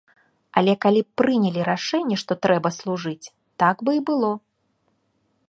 Але калі б прынялі рашэнне, што трэба служыць, так бы і было.